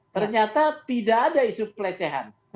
ternyata tidak ada isu pelecehan